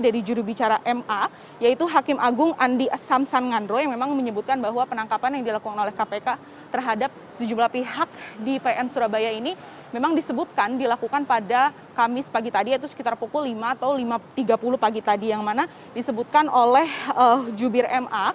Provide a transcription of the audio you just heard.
dari jurubicara ma yaitu hakim agung andi samsan ngandro yang memang menyebutkan bahwa penangkapan yang dilakukan oleh kpk terhadap sejumlah pihak di pn surabaya ini memang disebutkan dilakukan pada kamis pagi tadi yaitu sekitar pukul lima atau tiga puluh pagi tadi yang mana disebutkan oleh jubir ma